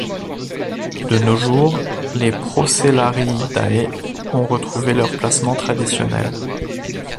De nos jours, les Procellariidae ont retrouvé leur placement traditionnel.